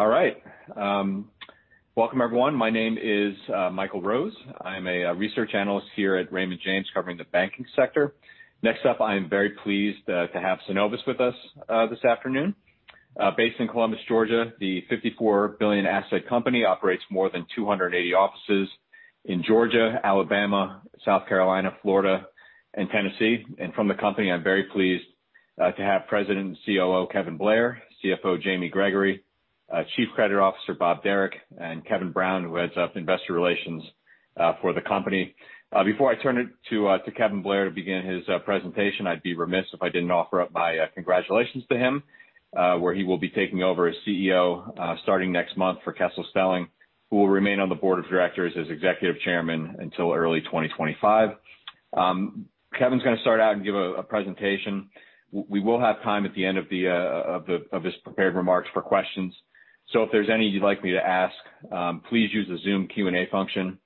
All right. Welcome everyone. My name is Michael Rose. I am a research analyst here at Raymond James covering the banking sector. Next up, I am very pleased to have Synovus with us this afternoon. Based in Columbus, Georgia, the $54 billion asset company operates more than 280 offices in Georgia, Alabama, South Carolina, Florida, and Tennessee. From the company, I am very pleased to have President and COO, Kevin Blair, CFO, Jamie Gregory, Chief Credit Officer, Bob Derrick, and Kevin Brown, who heads up investor relations for the company. Before I turn it to Kevin Blair to begin his presentation, I would be remiss if I didn't offer up my congratulations to him, where he will be taking over as CEO starting next month for Kessel Stelling who will remain on the board of directors as Executive Chairman until early 2025. Kevin's going to start out and give a presentation. We will have time at the end of his prepared remarks for questions. If there's any you'd like me to ask, please use the Zoom Q&A function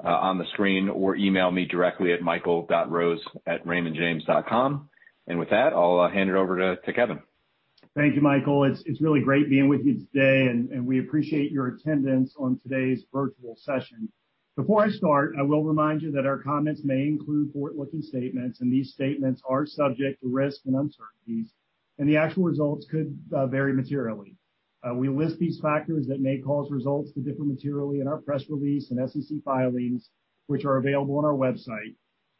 on the screen, or email me directly at michael.rose@raymondjames.com. With that, I'll hand it over to Kevin. Thank you, Michael. It's really great being with you today, and we appreciate your attendance on today's virtual session. Before I start, I will remind you that our comments may include forward-looking statements, and these statements are subject to risks and uncertainties, and the actual results could vary materially. We list these factors that may cause results to differ materially in our press release and SEC filings, which are available on our website.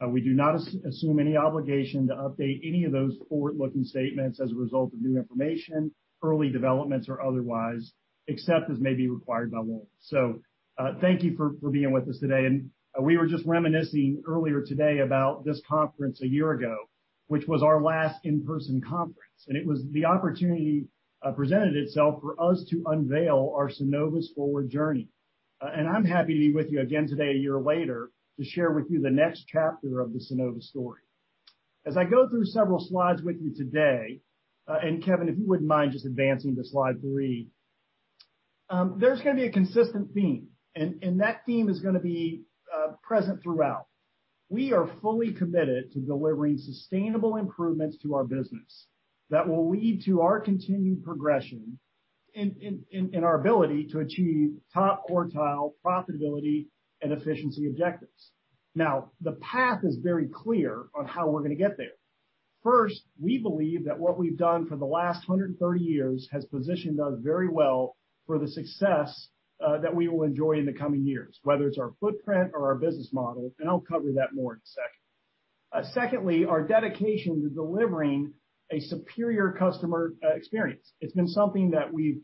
We do not assume any obligation to update any of those forward-looking statements as a result of new information, early developments, or otherwise, except as may be required by law. Thank you for being with us today. We were just reminiscing earlier today about this conference a year ago, which was our last in-person conference. The opportunity presented itself for us to unveil our Synovus Forward journey. I'm happy to be with you again today, a year later, to share with you the next chapter of the Synovus story. As I go through several slides with you today, and Kevin if you wouldn't mind just advancing to slide three, there's going to be a consistent theme, and that theme is going to be present throughout. We are fully committed to delivering sustainable improvements to our business that will lead to our continued progression and our ability to achieve top quartile profitability and efficiency objectives. Now, the path is very clear on how we're going to get there. First, we believe that what we've done for the last 130 years has positioned us very well for the success that we will enjoy in the coming years. Whether it's our footprint or our business model, and I'll cover that more in a second. Secondly, our dedication to delivering a superior customer experience. It's been something that we've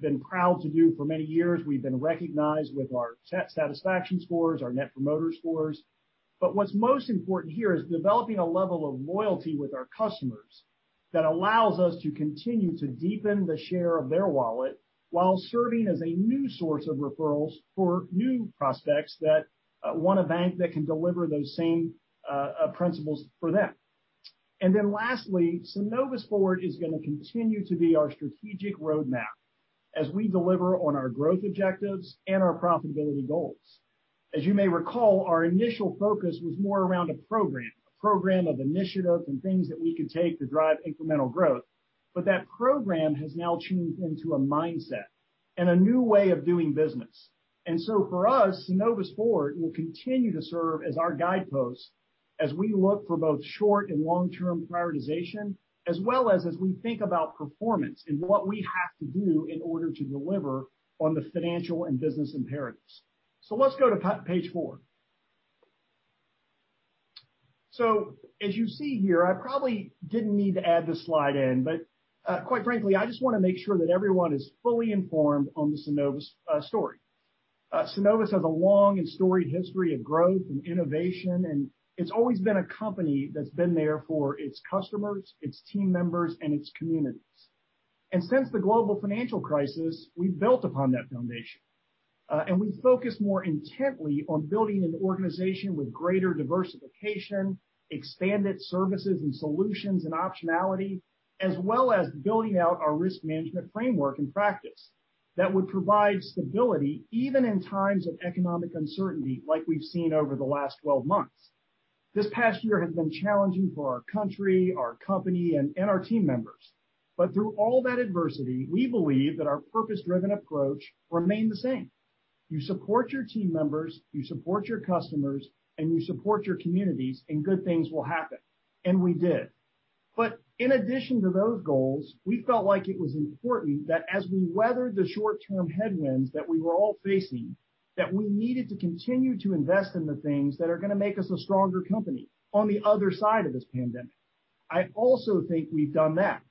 been proud to do for many years. We've been recognized with our satisfaction scores, our Net Promoter Scores. What's most important here is developing a level of loyalty with our customers that allows us to continue to deepen the share of their wallet while serving as a new source of referrals for new prospects that want a bank that can deliver those same principles for them. Lastly, Synovus Forward is going to continue to be our strategic roadmap as we deliver on our growth objectives and our profitability goals. As you may recall, our initial focus was more around a program. A program of initiatives and things that we could take to drive incremental growth. That program has now tuned into a mindset and a new way of doing business. For us, Synovus Forward will continue to serve as our guideposts as we look for both short and long-term prioritization, as well as we think about performance and what we have to do in order to deliver on the financial and business imperatives. Let's go to page four. As you see here, I probably didn't need to add this slide in, but quite frankly, I just want to make sure that everyone is fully informed on the Synovus story. Synovus has a long and storied history of growth and innovation, and it's always been a company that's been there for its customers, its team members, and its communities. Since the global financial crisis, we've built upon that foundation. We focused more intently on building an organization with greater diversification, expanded services and solutions and optionality, as well as building out our risk management framework and practice that would provide stability even in times of economic uncertainty like we've seen over the last 12 months. This past year has been challenging for our country, our company, and our team members. Through all that adversity, we believe that our purpose-driven approach remained the same. You support your team members, you support your customers, and you support your communities, and good things will happen. We did. In addition to those goals, we felt like it was important that as we weathered the short-term headwinds that we were all facing, that we needed to continue to invest in the things that are going to make us a stronger company on the other side of this pandemic. I also think we've done that.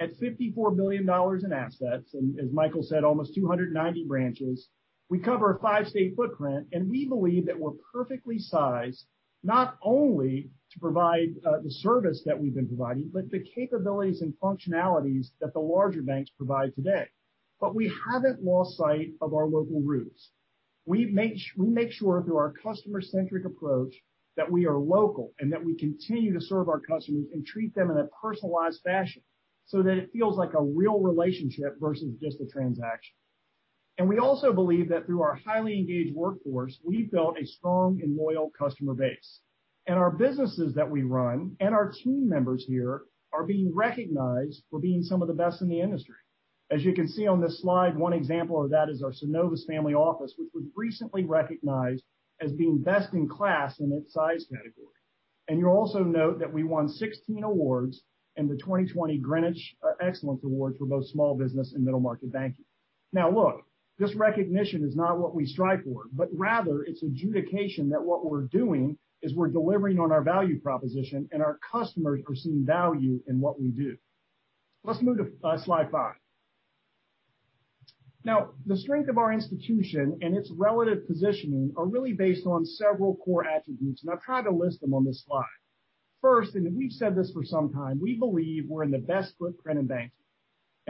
At $54 billion in assets, as Michael said, almost 290 branches, we cover a five-state footprint, we believe that we're perfectly sized not only to provide the service that we've been providing, but the capabilities and functionalities that the larger banks provide today. We haven't lost sight of our local roots. We make sure through our customer-centric approach that we are local and that we continue to serve our customers and treat them in a personalized fashion so that it feels like a real relationship versus just a transaction. We also believe that through our highly engaged workforce, we've built a strong and loyal customer base. Our businesses that we run and our team members here are being recognized for being some of the best in the industry. As you can see on this slide, one example of that is our Synovus Family Office, which was recently recognized as being best in class in its size category. You'll also note that we won 16 awards in the 2020 Greenwich Excellence Awards for both small business and middle-market banking. Now, look, this recognition is not what we strive for, but rather, it's adjudication that what we're doing is we're delivering on our value proposition, and our customers perceive value in what we do. Let's move to slide five. Now, the strength of our institution and its relative positioning are really based on several core attributes, and I've tried to list them on this slide. First, and we've said this for some time, we believe we're in the best footprint in banking.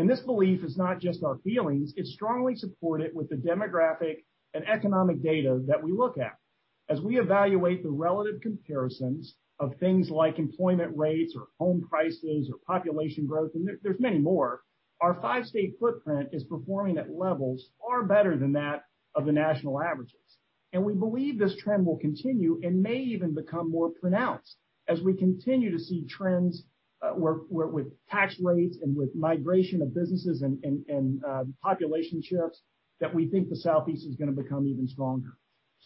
This belief is not just our feelings. It's strongly supported with the demographic and economic data that we look at. As we evaluate the relative comparisons of things like employment rates or home prices or population growth, and there's many more, our five-state footprint is performing at levels far better than that of the national averages. We believe this trend will continue and may even become more pronounced as we continue to see trends, with tax rates and with migration of businesses and population shifts, that we think the Southeast is going to become even stronger.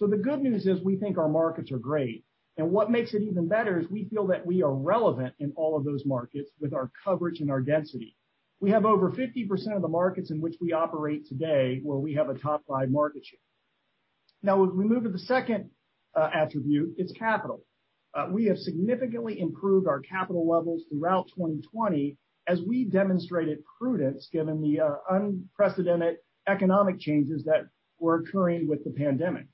The good news is we think our markets are great. What makes it even better is we feel that we are relevant in all of those markets with our coverage and our density. We have over 50% of the markets in which we operate today where we have a top five market share. As we move to the second attribute, it's capital. We have significantly improved our capital levels throughout 2020 as we demonstrated prudence given the unprecedented economic changes that were occurring with the pandemic.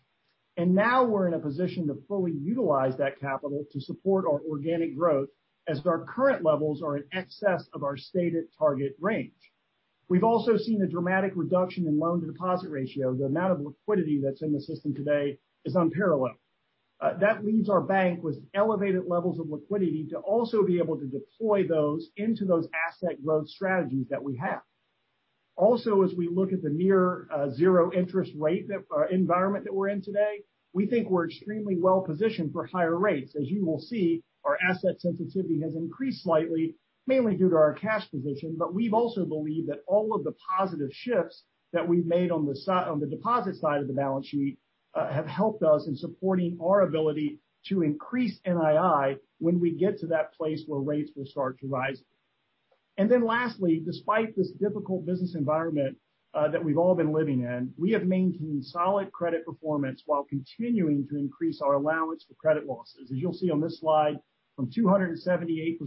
Now we're in a position to fully utilize that capital to support our organic growth as our current levels are in excess of our stated target range. We've also seen a dramatic reduction in loan-to-deposit ratio. The amount of liquidity that's in the system today is unparalleled. That leaves our bank with elevated levels of liquidity to also be able to deploy those into those asset growth strategies that we have. As we look at the near zero interest rate environment that we're in today, we think we're extremely well-positioned for higher rates. As you will see, our asset sensitivity has increased slightly, mainly due to our cash position, but we've also believed that all of the positive shifts that we've made on the deposit side of the balance sheet have helped us in supporting our ability to increase NII when we get to that place where rates will start to rise. Lastly, despite this difficult business environment that we've all been living in, we have maintained solid credit performance while continuing to increase our allowance for credit losses. As you'll see on this slide, from 278%-433%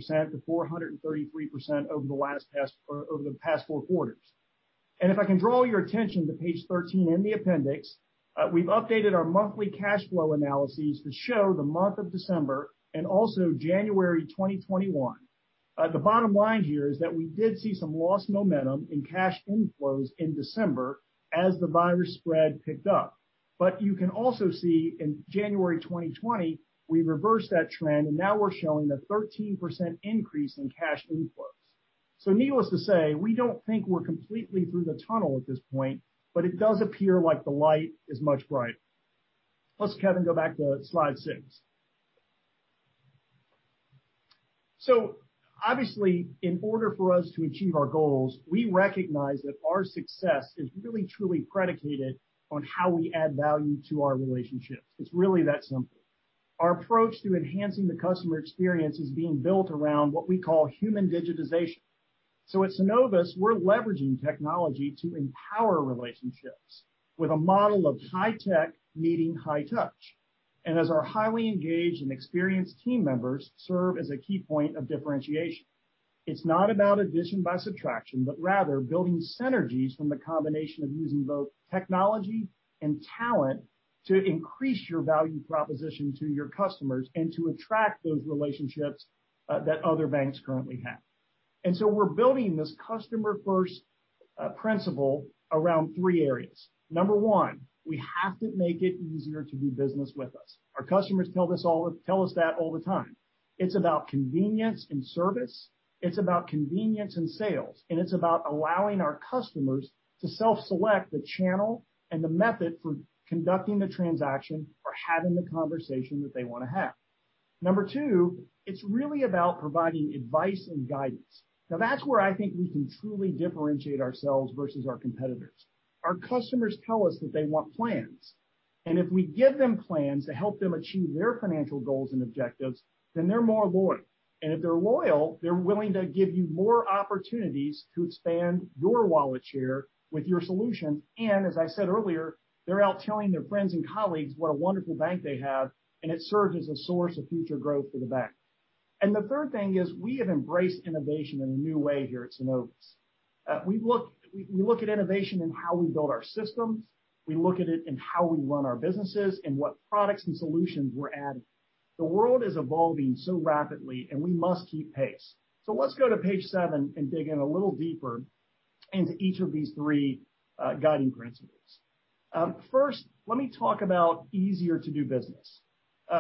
over the past four quarters. If I can draw your attention to page 13 in the appendix, we've updated our monthly cash flow analyses to show the month of December and also January 2021. The bottom line here is that we did see some lost momentum in cash inflows in December as the virus spread picked up. You can also see in January 2021, we reversed that trend, and now we're showing a 13% increase in cash inflows. Needless to say, we don't think we're completely through the tunnel at this point, but it does appear like the light is much brighter. Let's, Kevin, go back to slide six. Obviously, in order for us to achieve our goals, we recognize that our success is really truly predicated on how we add value to our relationships. It's really that simple. Our approach to enhancing the customer experience is being built around what we call human digitization. At Synovus, we're leveraging technology to empower relationships with a model of high tech meeting high touch, and as our highly engaged and experienced team members serve as a key point of differentiation. It's not about addition by subtraction, but rather building synergies from the combination of using both technology and talent to increase your value proposition to your customers and to attract those relationships that other banks currently have. We're building this customer-first principle around three areas. Number one, we have to make it easier to do business with us. Our customers tell us that all the time. It's about convenience and service, it's about convenience and sales, and it's about allowing our customers to self-select the channel and the method for conducting the transaction or having the conversation that they want to have. Number two, it's really about providing advice and guidance. That's where I think we can truly differentiate ourselves versus our competitors. Our customers tell us that they want plans, if we give them plans to help them achieve their financial goals and objectives, then they're more loyal. If they're loyal, they're willing to give you more opportunities to expand your wallet share with your solutions. As I said earlier, they're out telling their friends and colleagues what a wonderful bank they have, and it serves as a source of future growth for the bank. The third thing is we have embraced innovation in a new way here at Synovus. We look at innovation in how we build our systems, we look at it in how we run our businesses, and what products and solutions we're adding. The world is evolving so rapidly, and we must keep pace. Let's go to page seven and dig in a little deeper into each of these three guiding principles. First, let me talk about easier to do business.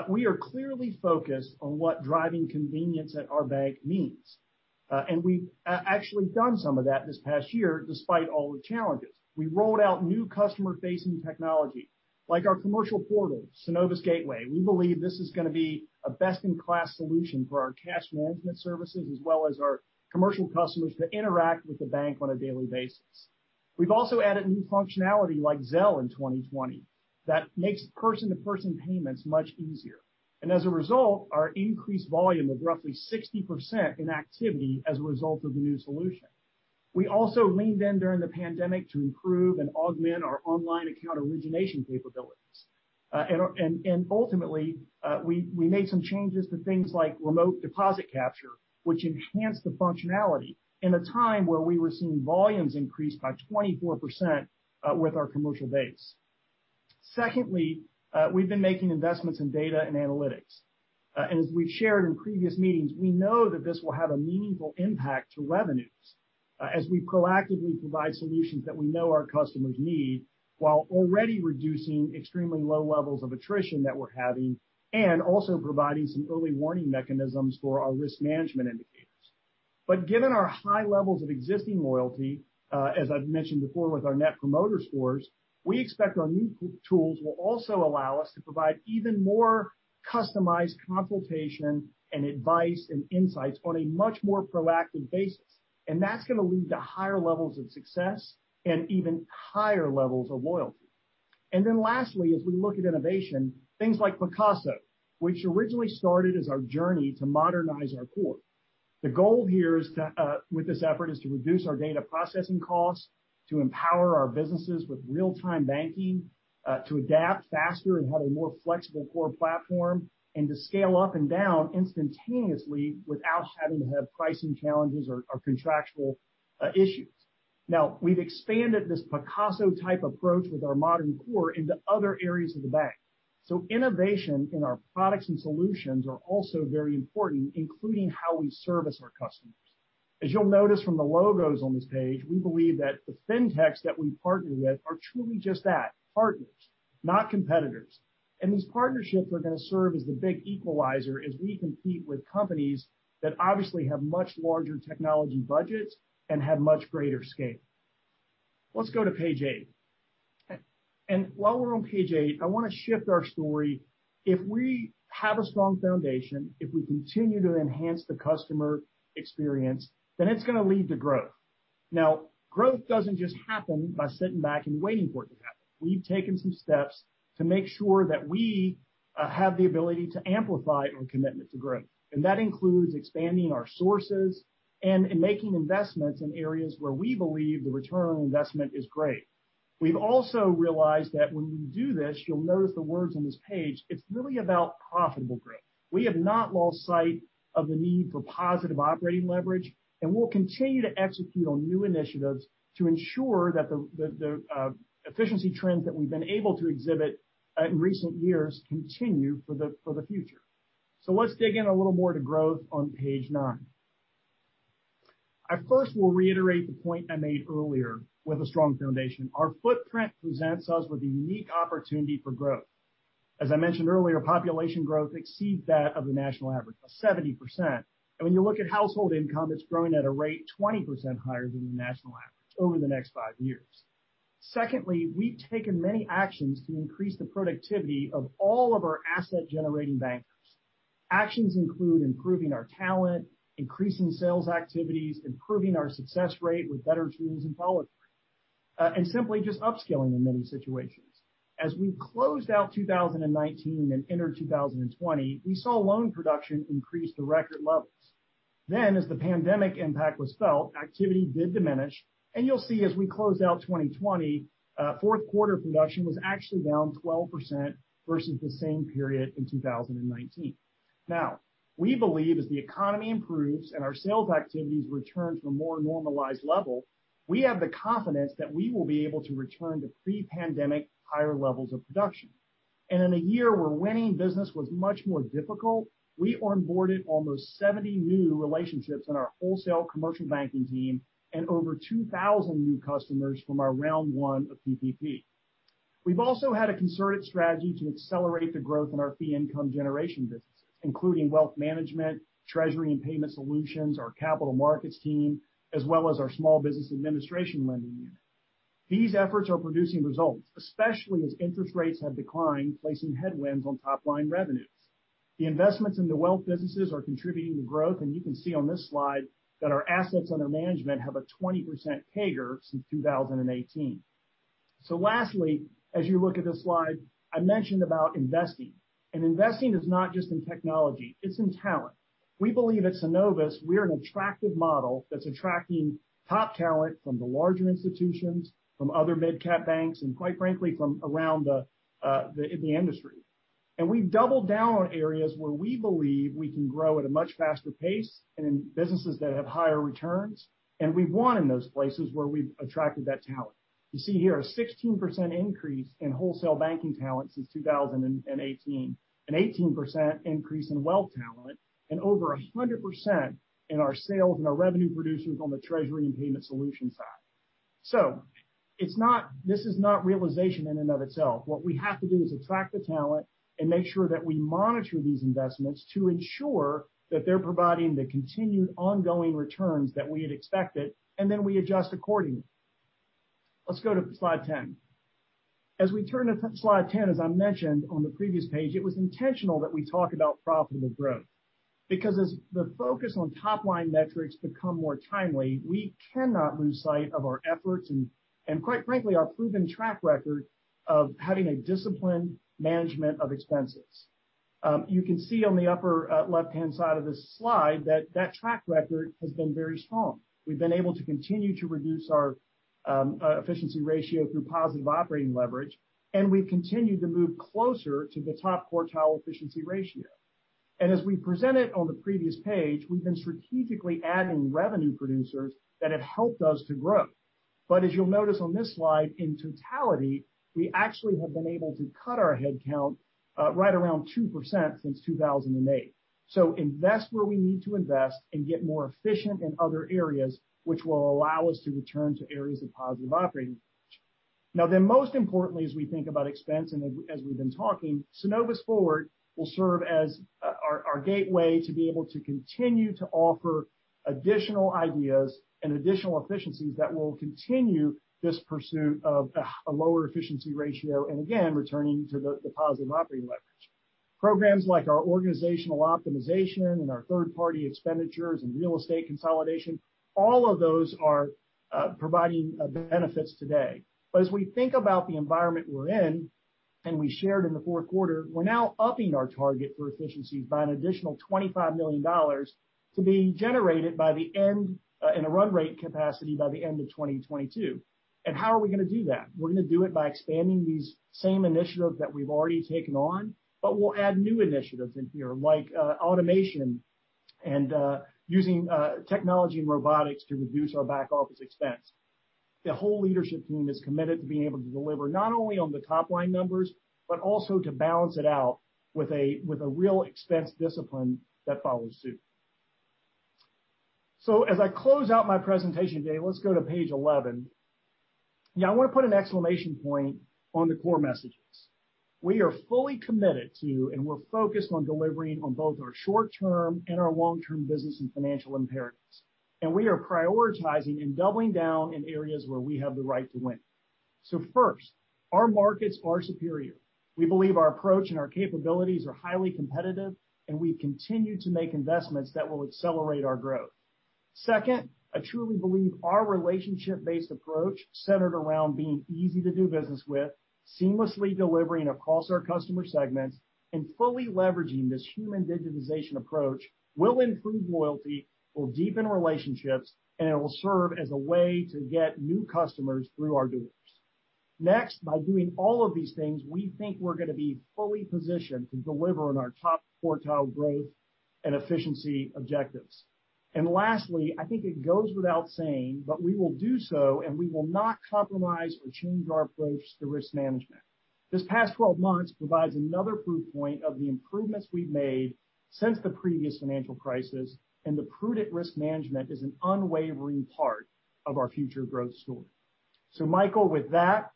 We are clearly focused on what driving convenience at our bank means. We've actually done some of that this past year, despite all the challenges. We rolled out new customer-facing technology like our commercial portal, Synovus Gateway. We believe this is going to be a best-in-class solution for our cash management services as well as our commercial customers to interact with the bank on a daily basis. We've also added new functionality like Zelle in 2020 that makes person-to-person payments much easier. As a result, our increased volume of roughly 60% in activity as a result of the new solution. We also leaned in during the pandemic to improve and augment our online account origination capabilities. Ultimately, we made some changes to things like remote deposit capture, which enhanced the functionality in a time where we were seeing volumes increase by 24% with our commercial base. Secondly, we've been making investments in data and analytics. As we've shared in previous meetings, we know that this will have a meaningful impact to revenues as we proactively provide solutions that we know our customers need while already reducing extremely low levels of attrition that we're having and also providing some early warning mechanisms for our risk management indicators. Given our high levels of existing loyalty, as I've mentioned before with our Net Promoter Scores, we expect our new tools will also allow us to provide even more customized consultation and advice and insights on a much more proactive basis. That's going to lead to higher levels of success and even higher levels of loyalty. Lastly, as we look at innovation, things like Picasso, which originally started as our journey to modernize our core. The goal here with this effort is to reduce our data processing costs, to empower our businesses with real-time banking, to adapt faster and have a more flexible core platform, and to scale up and down instantaneously without having to have pricing challenges or contractual issues. Now, we've expanded this Picasso type approach with our modern core into other areas of the bank. Innovation in our products and solutions are also very important, including how we service our customers. As you'll notice from the logos on this page, we believe that the fintechs that we partner with are truly just that, partners, not competitors. These partnerships are going to serve as the big equalizer as we compete with companies that obviously have much larger technology budgets and have much greater scale. Let's go to page eight. While we're on page eight, I want to shift our story. If we have a strong foundation, if we continue to enhance the customer experience, then it's going to lead to growth. Now, growth doesn't just happen by sitting back and waiting for it to happen. We've taken some steps to make sure that we have the ability to amplify our commitment to growth, and that includes expanding our sources and making investments in areas where we believe the return on investment is great. We've also realized that when we do this, you'll notice the words on this page, it's really about profitable growth. We have not lost sight of the need for positive operating leverage, and we'll continue to execute on new initiatives to ensure that the efficiency trends that we've been able to exhibit in recent years continue for the future. Let's dig in a little more to growth on page nine. I first will reiterate the point I made earlier with a strong foundation. Our footprint presents us with a unique opportunity for growth. As I mentioned earlier, population growth exceeds that of the national average by 70%. When you look at household income, it's growing at a rate 20% higher than the national average over the next five years. Secondly, we've taken many actions to increase the productivity of all of our asset-generating bankers. Actions include improving our talent, increasing sales activities, improving our success rate with better tools and follow-through, and simply just upskilling in many situations. As we closed out 2019 and entered 2020, we saw loan production increase to record levels. As the pandemic impact was felt, activity did diminish, and you'll see as we closed out 2020, fourth quarter production was actually down 12% versus the same period in 2019. We believe as the economy improves and our sales activities return to a more normalized level, we have the confidence that we will be able to return to pre-pandemic higher levels of production. In a year where winning business was much more difficult, we onboarded almost 70 new relationships in our wholesale commercial banking team and over 2,000 new customers from our round one of PPP. We've also had a concerted strategy to accelerate the growth in our fee income generation businesses, including wealth management, treasury and payment solutions, our capital markets team, as well as our Small Business Administration lending unit. These efforts are producing results, especially as interest rates have declined, placing headwinds on top line revenues. The investments in the wealth businesses are contributing to growth, and you can see on this slide that our assets under management have a 20% CAGR since 2018. Lastly, as you look at this slide, I mentioned about investing, and investing is not just in technology, it's in talent. We believe at Synovus, we are an attractive model that's attracting top talent from the larger institutions, from other mid-cap banks, and quite frankly, from around the industry. We've doubled down on areas where we believe we can grow at a much faster pace and in businesses that have higher returns. We've won in those places where we've attracted that talent. You see here a 16% increase in wholesale banking talent since 2018, an 18% increase in wealth talent, and over 100% in our sales and our revenue producers on the treasury and payment solutions side. This is not realization in and of itself. What we have to do is attract the talent and make sure that we monitor these investments to ensure that they're providing the continued ongoing returns that we had expected, and then we adjust accordingly. Let's go to slide 10. As we turn to slide 10, as I mentioned on the previous page, it was intentional that we talk about profitable growth. Because as the focus on top-line metrics become more timely, we cannot lose sight of our efforts and quite frankly, our proven track record of having a disciplined management of expenses. You can see on the upper left-hand side of this slide that track record has been very strong. We've been able to continue to reduce our efficiency ratio through positive operating leverage. We've continued to move closer to the top quartile efficiency ratio. As we presented on the previous page, we've been strategically adding revenue producers that have helped us to grow. As you'll notice on this slide, in totality, we actually have been able to cut our head count right around 2% since 2008. Invest where we need to invest and get more efficient in other areas, which will allow us to return to areas of positive operating leverage. Most importantly, as we think about expense and as we've been talking, Synovus Forward will serve as our gateway to be able to continue to offer additional ideas and additional efficiencies that will continue this pursuit of a lower efficiency ratio, and again, returning to the positive operating leverage. Programs like our organizational optimization and our third-party expenditures and real estate consolidation, all of those are providing benefits today. As we think about the environment we're in, and we shared in the fourth quarter, we're now upping our target for efficiencies by an additional $25 million to be generated in a run rate capacity by the end of 2022. How are we going to do that? We're going to do it by expanding these same initiatives that we've already taken on, but we'll add new initiatives in here, like automation and using technology and robotics to reduce our back office expense. The whole leadership team is committed to being able to deliver not only on the top-line numbers, but also to balance it out with a real expense discipline that follows suit. As I close out my presentation today, let's go to page 11. I want to put an exclamation point on the core messages. We are fully committed to, and we're focused on delivering on both our short-term and our long-term business and financial imperatives. We are prioritizing and doubling down in areas where we have the right to win. First, our markets are superior. We believe our approach and our capabilities are highly competitive, and we continue to make investments that will accelerate our growth. Second, I truly believe our relationship-based approach centered around being easy to do business with, seamlessly delivering across our customer segments, and fully leveraging this human digitization approach will improve loyalty, will deepen relationships, and it will serve as a way to get new customers through our doors. Next, by doing all of these things, we think we're going to be fully positioned to deliver on our top quartile growth and efficiency objectives. Lastly, I think it goes without saying, but we will do so and we will not compromise or change our approach to risk management. This past 12 months provides another proof point of the improvements we've made since the previous financial crisis. The prudent risk management is an unwavering part of our future growth story. Michael, with that,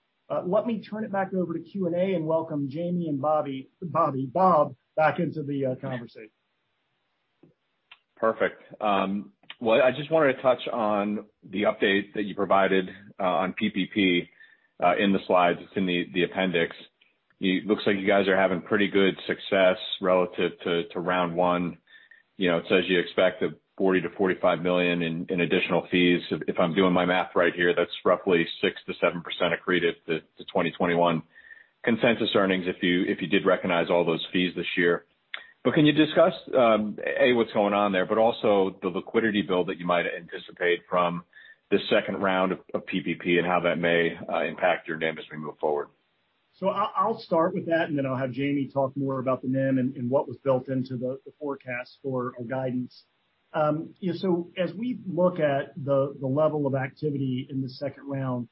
let me turn it back over to Q&A and welcome Jamie and Bob back into the conversation. Perfect. I just wanted to touch on the update that you provided on PPP in the slides. It's in the appendix. It looks like you guys are having pretty good success relative to round one. It says you expect $40 million-$45 million in additional fees. If I'm doing my math right here, that's roughly 6%-7% accretive to 2021 consensus earnings if you did recognize all those fees this year. Can you discuss, A, what's going on there, but also the liquidity build that you might anticipate from this second round of PPP and how that may impact your NIM as we move forward? I'll start with that, and then I'll have Jamie talk more about the NIM and what was built into the forecast for our guidance. As we look at the level of activity in the second round,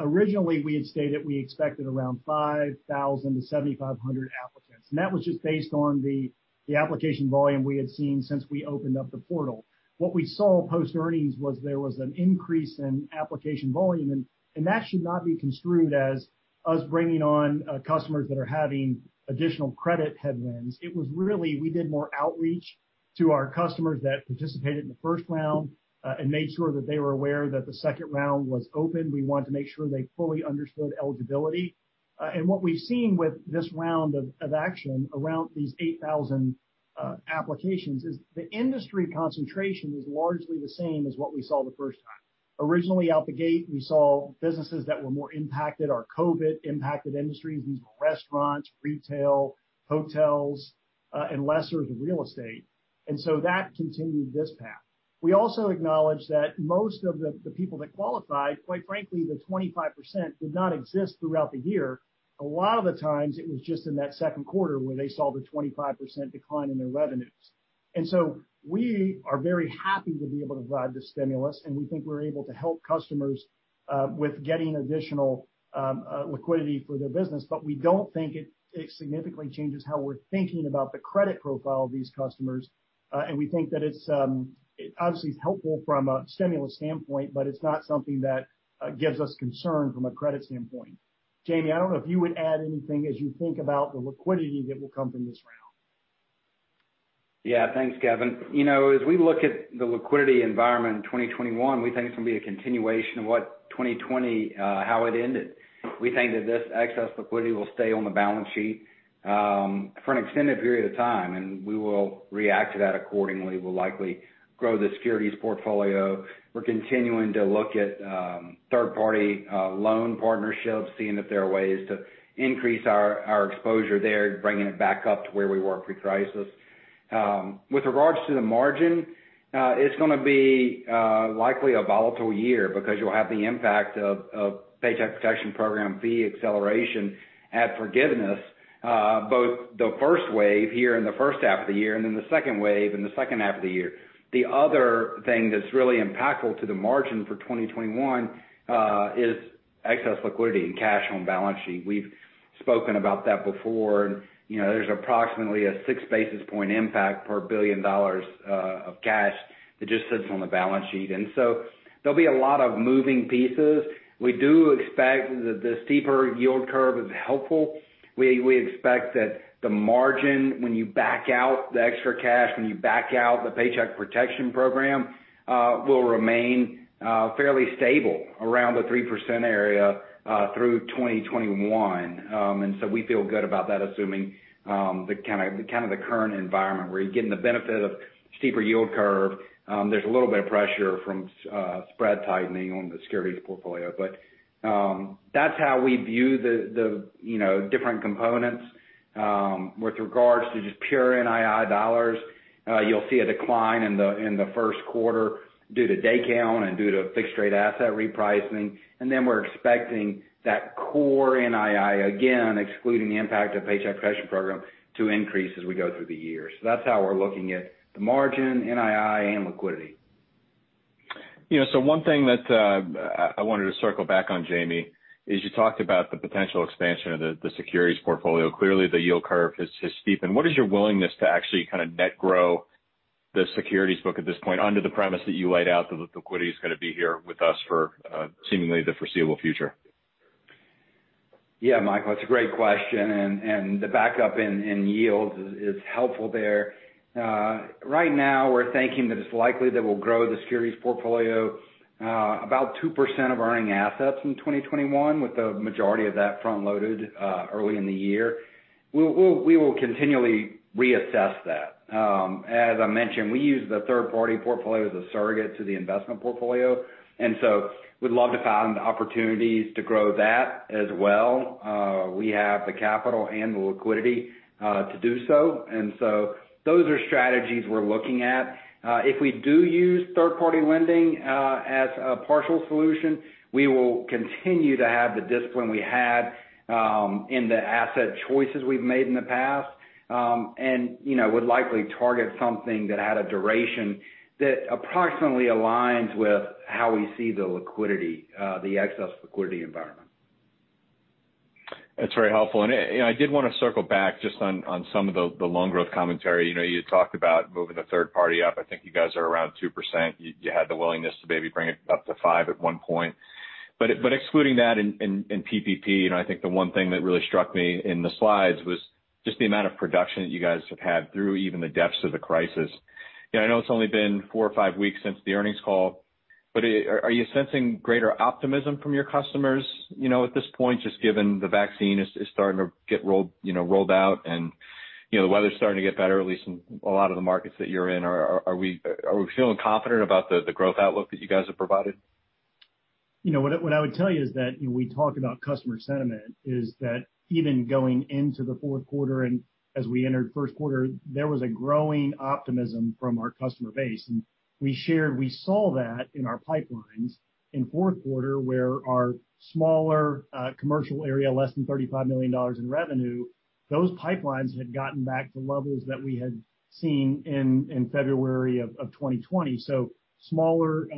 originally we had stated we expected around 5,000 to 7,500 applicants. That was just based on the application volume we had seen since we opened up the portal. What we saw post earnings was there was an increase in application volume, and that should not be construed as us bringing on customers that are having additional credit headwinds. It was really, we did more outreach to our customers that participated in the first round and made sure that they were aware that the second round was open. We wanted to make sure they fully understood eligibility. What we've seen with this round of action around these 8,000 applications is the industry concentration is largely the same as what we saw the first time. Originally out the gate, we saw businesses that were more impacted are COVID-impacted industries. These were restaurants, retail, hotels, and lessors of real estate. That continued this path. We also acknowledge that most of the people that qualified, quite frankly, the 25% did not exist throughout the year. A lot of the times it was just in that second quarter where they saw the 25% decline in their revenues. We are very happy to be able to provide this stimulus, and we think we're able to help customers with getting additional liquidity for their business. We don't think it significantly changes how we're thinking about the credit profile of these customers. We think that it obviously is helpful from a stimulus standpoint, but it's not something that gives us concern from a credit standpoint. Jamie, I don't know if you would add anything as you think about the liquidity that will come from this round. Thanks, Kevin. As we look at the liquidity environment in 2021, we think it's going to be a continuation of 2020, how it ended. We think that this excess liquidity will stay on the balance sheet for an extended period of time, and we will react to that accordingly. We'll likely grow the securities portfolio. We're continuing to look at third-party loan partnerships, seeing if there are ways to increase our exposure there, bringing it back up to where we were pre-crisis. With regards to the margin, it's going to be likely a volatile year because you'll have the impact of Paycheck Protection Program fee acceleration, add forgiveness, both the first wave here in the first half of the year, and then the second wave in the second half of the year. The other thing that's really impactful to the margin for 2021 is excess liquidity and cash on balance sheet. We've spoken about that before. There's approximately a six basis point impact per $ billion of cash that just sits on the balance sheet. There'll be a lot of moving pieces. We do expect that the steeper yield curve is helpful. We expect that the margin, when you back out the extra cash, when you back out the Paycheck Protection Program, will remain fairly stable around the 3% area, through 2021. We feel good about that, assuming the current environment where you're getting the benefit of steeper yield curve. There's a little bit of pressure from spread tightening on the securities portfolio. That's how we view the different components. With regards to just pure NII dollars, you'll see a decline in the first quarter due to day count and due to fixed rate asset repricing. We're expecting that core NII, again, excluding the impact of Paycheck Protection Program, to increase as we go through the year. That's how we're looking at the margin, NII, and liquidity. One thing that I wanted to circle back on, Jamie, is you talked about the potential expansion of the securities portfolio. Clearly, the yield curve has steepened. What is your willingness to actually net grow the securities book at this point under the premise that you laid out that the liquidity is going to be here with us for seemingly the foreseeable future? Yeah, Michael, it's a great question, and the backup in yields is helpful there. Right now, we're thinking that it's likely that we'll grow the securities portfolio about 2% of earning assets in 2021, with the majority of that front-loaded early in the year. We will continually reassess that. As I mentioned, we use the third-party portfolio as a surrogate to the investment portfolio, and so we'd love to find opportunities to grow that as well. We have the capital and the liquidity to do so, and so those are strategies we're looking at. If we do use third-party lending as a partial solution, we will continue to have the discipline we had in the asset choices we've made in the past, and would likely target something that had a duration that approximately aligns with how we see the excess liquidity environment. That's very helpful. I did want to circle back just on some of the loan growth commentary. You talked about moving the third party up. I think you guys are around 2%. You had the willingness to maybe bring it up to five at one point. Excluding that and PPP, I think the one thing that really struck me in the slides was just the amount of production that you guys have had through even the depths of the crisis. I know it's only been four or five weeks since the earnings call, but are you sensing greater optimism from your customers at this point, just given the vaccine is starting to get rolled out and the weather's starting to get better, at least in a lot of the markets that you're in? Are we feeling confident about the growth outlook that you guys have provided? What I would tell you is that when we talk about customer sentiment, is that even going into the fourth quarter and as we entered first quarter, there was a growing optimism from our customer base. We shared, we saw that in our pipelines in fourth quarter, where our smaller commercial area, less than $35 million in revenue, those pipelines had gotten back to levels that we had seen in February of 2020. Smaller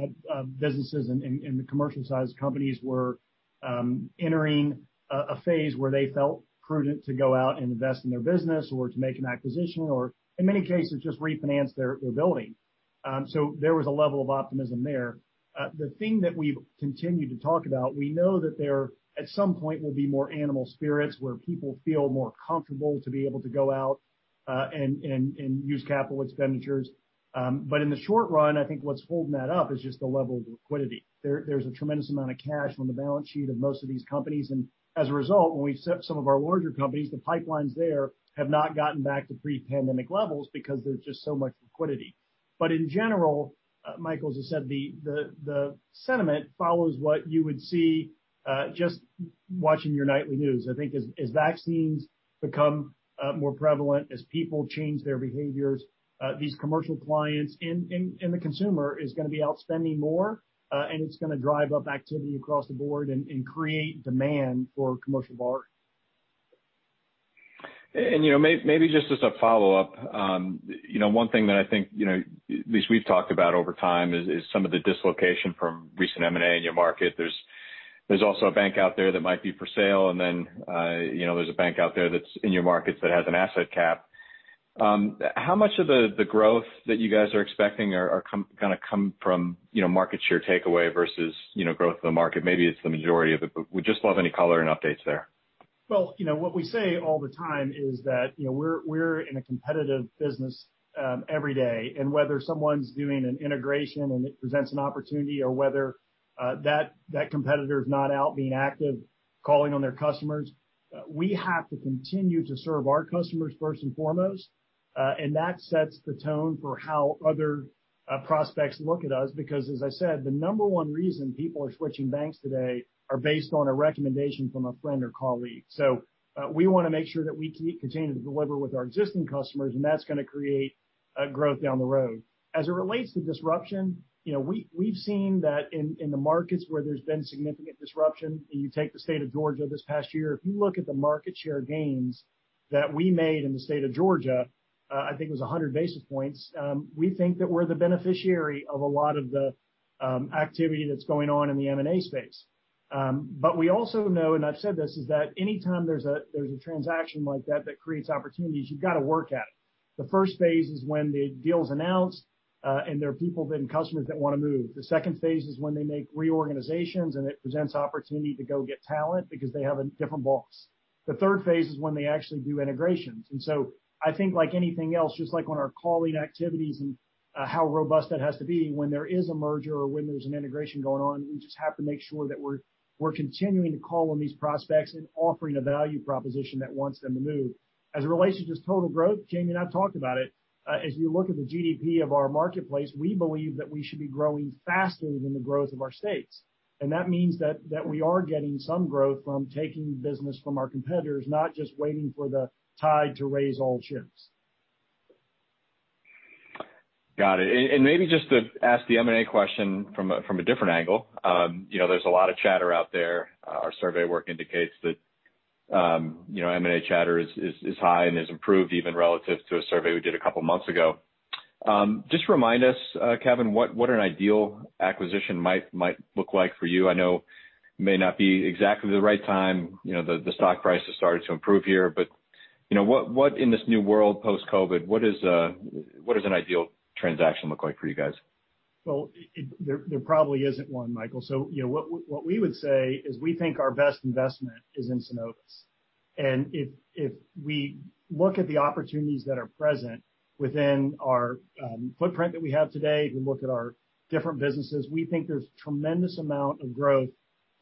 businesses and the commercial-sized companies were entering a phase where they felt prudent to go out and invest in their business or to make an acquisition or in many cases, just refinance their building. There was a level of optimism there. The thing that we've continued to talk about, we know that there at some point will be more animal spirits where people feel more comfortable to be able to go out, and use capital expenditures. In the short run, I think what's holding that up is just the level of liquidity. There's a tremendous amount of cash on the balance sheet of most of these companies, and as a result, when we set some of our larger companies, the pipelines there have not gotten back to pre-pandemic levels because there's just so much liquidity. In general, Michael, as I said, the sentiment follows what you would see just watching your nightly news. I think as vaccines become more prevalent, as people change their behaviors, these commercial clients and the consumer is going to be out spending more, and it's going to drive up activity across the board and create demand for commercial borrowing. Maybe just as a follow-up. One thing that I think at least we've talked about over time is some of the dislocation from recent M&A in your market. There's also a bank out there that might be for sale, and then there's a bank out there that's in your markets that has an asset cap. How much of the growth that you guys are expecting are going to come from market share takeaway versus growth of the market? Maybe it's the majority of it, but would just love any color and updates there. Well, what we say all the time is that we're in a competitive business every day. Whether someone's doing an integration and it presents an opportunity, or whether that competitor is not out being active, calling on their customers, we have to continue to serve our customers first and foremost. That sets the tone for how other prospects look at us because, as I said, the number one reason people are switching banks today are based on a recommendation from a friend or colleague. We want to make sure that we continue to deliver with our existing customers, and that's going to create growth down the road. As it relates to disruption, we've seen that in the markets where there's been significant disruption, and you take the state of Georgia this past year. If you look at the market share gains that we made in the state of Georgia, I think it was 100 basis points. We think that we're the beneficiary of a lot of the activity that's going on in the M&A space. We also know, and I've said this, is that any time there's a transaction like that that creates opportunities, you've got to work at it. The first phase is when the deal's announced, and there are people, then customers that want to move. The second phase is when they make reorganizations, and it presents opportunity to go get talent because they have a different boss. The third phase is when they actually do integrations. I think like anything else, just like on our calling activities and how robust that has to be when there is a merger or when there's an integration going on, we just have to make sure that we're continuing to call on these prospects and offering a value proposition that wants them to move. As it relates to just total growth, Jamie and I talked about it. As you look at the GDP of our marketplace, we believe that we should be growing faster than the growth of our states. That means that we are getting some growth from taking business from our competitors, not just waiting for the tide to raise all ships. Got it. Maybe just to ask the M&A question from a different angle. There's a lot of chatter out there. Our survey work indicates that M&A chatter is high and has improved even relative to a survey we did a couple of months ago. Just remind us, Kevin, what an ideal acquisition might look like for you. I know it may not be exactly the right time. The stock price has started to improve here. What in this new world, post-COVID, what does an ideal transaction look like for you guys? Well, there probably isn't one, Michael. What we would say is we think our best investment is in Synovus. If we look at the opportunities that are present within our footprint that we have today, if we look at our different businesses, we think there's tremendous amount of growth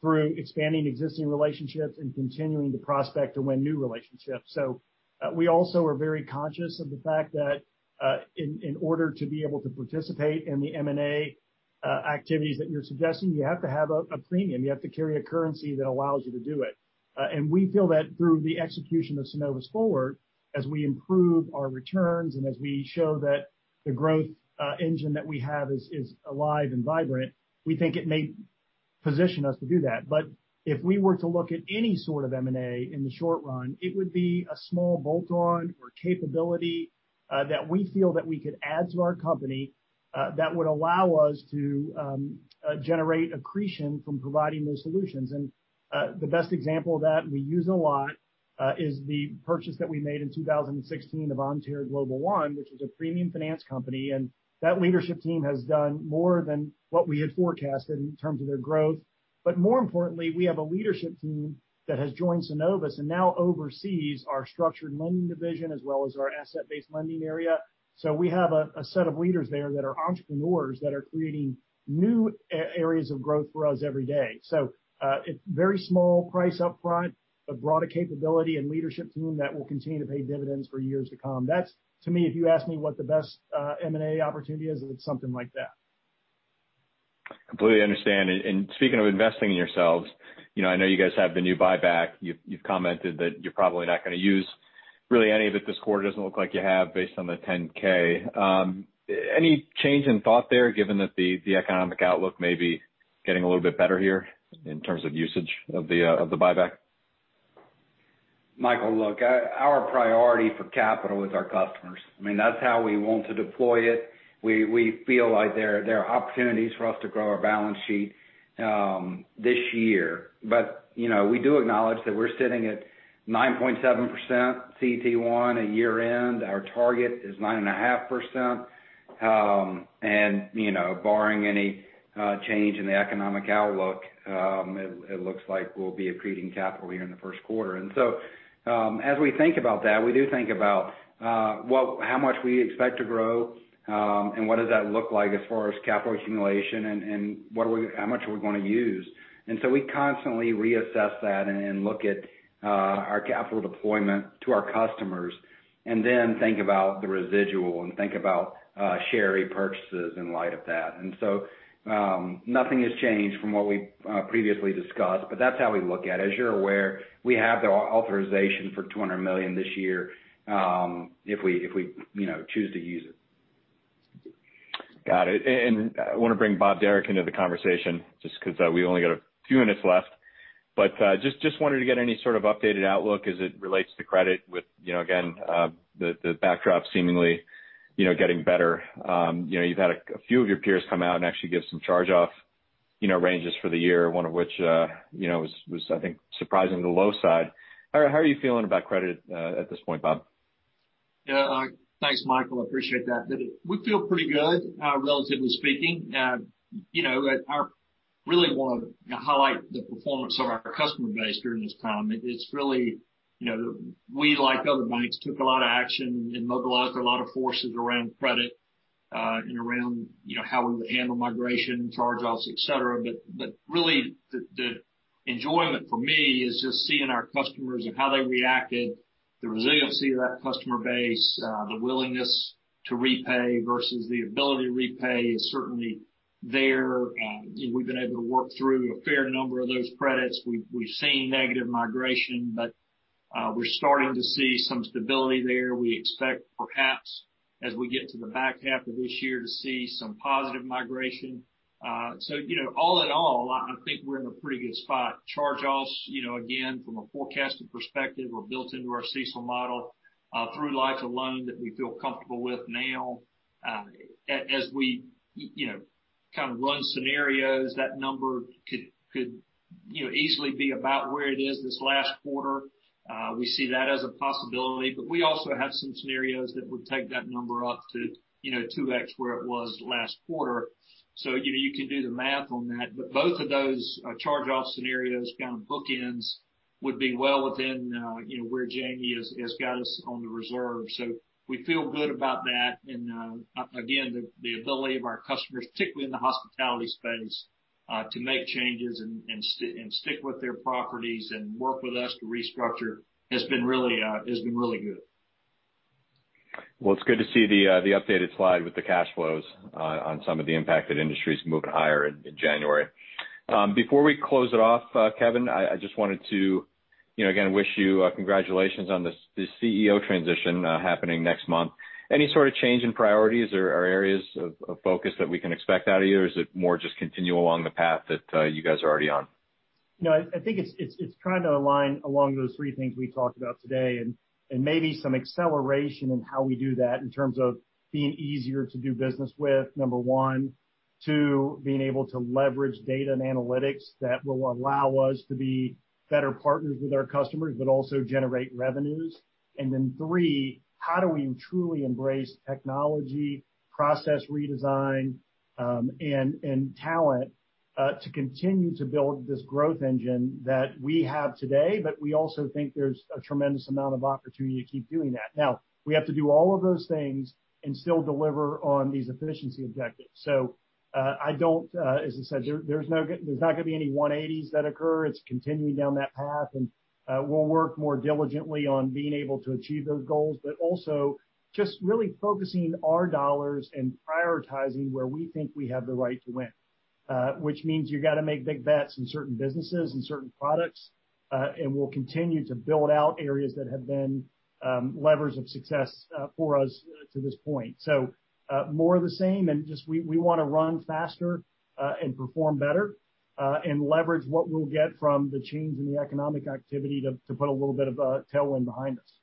through expanding existing relationships and continuing to prospect to win new relationships. We also are very conscious of the fact that in order to be able to participate in the M&A activities that you're suggesting, you have to have a premium. You have to carry a currency that allows you to do it. We feel that through the execution of Synovus Forward, as we improve our returns and as we show that the growth engine that we have is alive and vibrant, we think it may position us to do that. If we were to look at any sort of M&A in the short run, it would be a small bolt-on or capability that we feel that we could add to our company that would allow us to generate accretion from providing those solutions. The best example of that we use a lot is the purchase that we made in 2016 of Global One, which was a premium finance company, and that leadership team has done more than what we had forecasted in terms of their growth. More importantly, we have a leadership team that has joined Synovus and now oversees our structured lending division as well as our asset-based lending area. We have a set of leaders there that are entrepreneurs that are creating new areas of growth for us every day. A very small price up front, a broader capability and leadership team that will continue to pay dividends for years to come. That's to me, if you ask me what the best M&A opportunity is, it's something like that. Completely understand. Speaking of investing in yourselves, I know you guys have the new buyback. You've commented that you're probably not going to use really any of it this quarter. It doesn't look like you have based on the 10-K. Any change in thought there, given that the economic outlook may be getting a little bit better here in terms of usage of the buyback? Michael, look, our priority for capital is our customers. I mean, that's how we want to deploy it. We feel like there are opportunities for us to grow our balance sheet this year. We do acknowledge that we're sitting at 9.7% CET1 at year-end. Our target is 9.5%. Barring any change in the economic outlook, it looks like we'll be accreting capital here in the first quarter. As we think about that, we do think about how much we expect to grow and what does that look like as far as capital accumulation and how much are we going to use. We constantly reassess that and look at our capital deployment to our customers and then think about the residual and think about share repurchases in light of that. Nothing has changed from what we previously discussed, but that's how we look at it. As you're aware, we have the authorization for $200 million this year, if we choose to use it. Got it. I want to bring Bob Derrick into the conversation just because we only got a few minutes left. Just wanted to get any sort of updated outlook as it relates to credit with, again, the backdrop seemingly getting better. You've had a few of your peers come out and actually give some charge-offs ranges for the year, one of which was, I think, surprisingly low side. How are you feeling about credit at this point, Bob? Yeah. Thanks, Michael. I appreciate that. We feel pretty good, relatively speaking. I really want to highlight the performance of our customer base during this time. We, like other banks, took a lot of action and mobilized a lot of forces around credit, and around how we would handle migration, charge-offs, et cetera. Really, the enjoyment for me is just seeing our customers and how they reacted, the resiliency of that customer base, the willingness to repay versus the ability to repay is certainly there. We've been able to work through a fair number of those credits. We've seen negative migration, but we're starting to see some stability there. We expect, perhaps, as we get to the back half of this year, to see some positive migration. All in all, I think we're in a pretty good spot. Charge-offs, again, from a forecasting perspective, were built into our CECL model through life of loan that we feel comfortable with now. We run scenarios, that number could easily be about where it is this last quarter. We see that as a possibility, we also have some scenarios that would take that number up to 2 times where it was last quarter. You can do the math on that. Both of those charge-off scenarios on bookends would be well within where Jamie has got us on the reserve. We feel good about that, and again, the ability of our customers, particularly in the hospitality space, to make changes and stick with their properties and work with us to restructure has been really good. It's good to see the updated slide with the cash flows on some of the impacted industries moving higher in January. Before we close it off, Kevin, I just wanted to, again, wish you congratulations on this CEO transition happening next month. Any sort of change in priorities or areas of focus that we can expect out of you, or is it more just continue along the path that you guys are already on? No, I think it's trying to align along those three things we talked about today and maybe some acceleration in how we do that in terms of being easier to do business with, number one. Two, being able to leverage data and analytics that will allow us to be better partners with our customers, but also generate revenues. Three, how do we truly embrace technology, process redesign, and talent to continue to build this growth engine that we have today. We also think there's a tremendous amount of opportunity to keep doing that. Now, we have to do all of those things and still deliver on these efficiency objectives. As I said, there's not going to be any 180s that occur. It's continuing down that path, we'll work more diligently on being able to achieve those goals, but also just really focusing our dollars and prioritizing where we think we have the right to win. Which means you've got to make big bets in certain businesses and certain products. We'll continue to build out areas that have been levers of success for us to this point. More of the same and just, we want to run faster and perform better, and leverage what we'll get from the change in the economic activity to put a little bit of a tailwind behind us.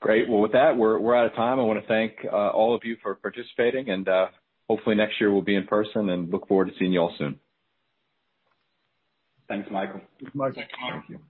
Great. Well, with that, we're out of time. I want to thank all of you for participating. Hopefully next year we'll be in person. Look forward to seeing you all soon. Thanks, Michael. Thanks, Michael. Thank you.